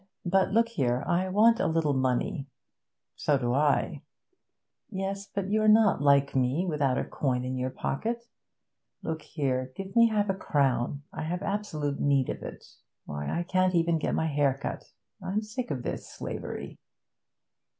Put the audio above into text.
'But, look here, I want a little money.' 'So do I.' 'Yes, but you're not like me, without a coin in your pocket. Look here, give me half a crown. I have absolute need of it. Why, I can't even get my hair cut. I'm sick of this slavery.'